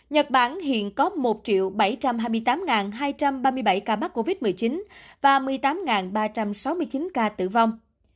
nhật bản hiện có một bảy trăm hai mươi tám hai trăm ba mươi bảy ca mắc covid một mươi chín và một mươi tám ba trăm sáu mươi chín ca tử vong